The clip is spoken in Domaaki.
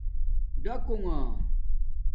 ڈئکونݣ